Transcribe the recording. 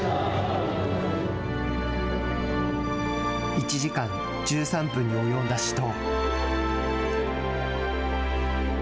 １時間１３分に及んだ死闘。